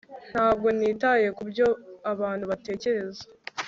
ntabwo nitaye kubyo abantu batekereza